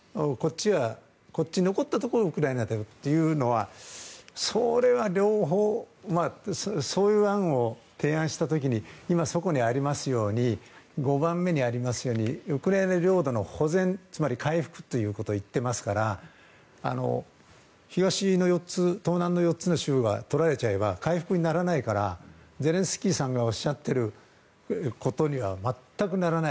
こっち、残ったところがウクライナだよというのはそれは両方そういう案を提案した時に５番目にありますようにウクライナ領土の保全つまり回復を言っていますから東南の４つの州がとられちゃえば回復にならないからゼレンスキーさんがおっしゃってることには全くならない。